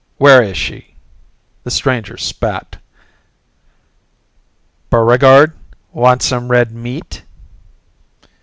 Where is she?" The stranger spat. "Buregarde, want some red meat?"